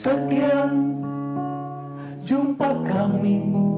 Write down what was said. sekian jumpa kami